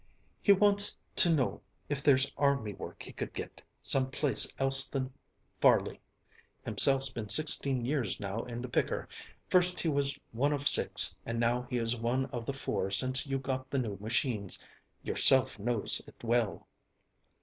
"He wants to know if there's army work he could get, some place else than Farley. Himself's been sixteen years now in the picker, first he was one of six and now he is one of the four since you got the new machines, yourself knows it well."